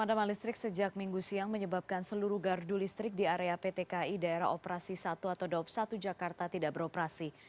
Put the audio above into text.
pemadaman listrik sejak minggu siang menyebabkan seluruh gardu listrik di area ptki daerah operasi satu atau daup satu jakarta tidak beroperasi